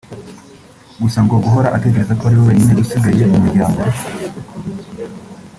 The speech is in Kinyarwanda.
Gusa ngo guhora atekereza ko ari we wenyine usigaye mu muryango